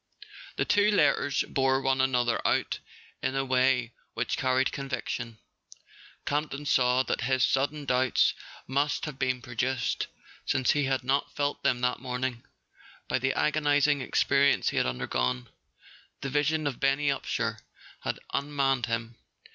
The two letters bore one another out in a way which carried conviction. Campton saw that his sud¬ den doubts must have been produced (since he had not felt them that morning) by the agonizing experi¬ ence he had undergone: the vision of Benny Upsher had unmanned him.